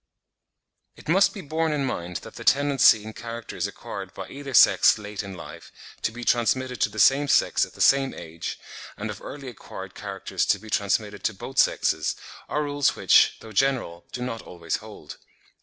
It must be borne in mind that the tendency in characters acquired by either sex late in life, to be transmitted to the same sex at the same age, and of early acquired characters to be transmitted to both sexes, are rules which, though general, do not always hold.